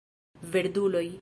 Verduloj